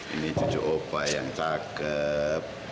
ini cucu oba yang cakep